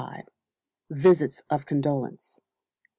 Visits of Condolence.